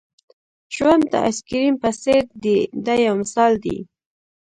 ژوند د آیس کریم په څېر دی دا یو مثال دی.